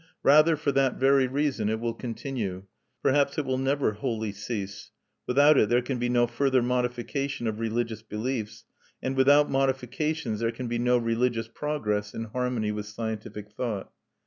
Rather, for that very reason, it will continue. Perhaps it will never wholly cease. Without it there can be no further modification of religious beliefs, and without modifications there can be no religious progress in harmony with scientific thought.